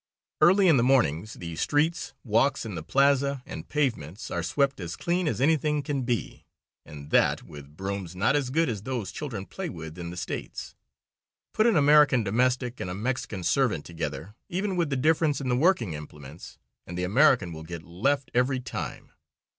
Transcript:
Early in the mornings the streets, walks in the plaza, and pavements are swept as clean as anything can be, and that with brooms not as good as those children play with in the States. Put an American domestic and a Mexican servant together, even with the difference in the working implements, and the American will "get left" every time.